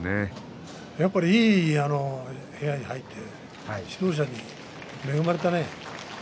いい部屋に入っていい指導者に恵まれたね。